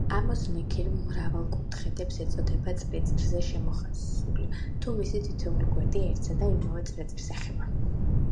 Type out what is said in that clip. ამოზნექილ მრავალკუთხედს ეწოდება წრეწირზე შემოხაზული, თუ მისი თითოეული გვერდი ერთსა და იმავე წრეწირს ეხება.